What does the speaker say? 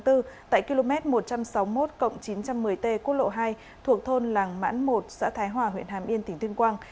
tại km một trăm sáu mươi một chín trăm một mươi t quốc lộ hai thuộc thôn làng mãn một xã thái hòa huyện hàm yên tỉnh tuyên quang